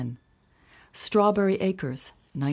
Strawberry Acres, 1911.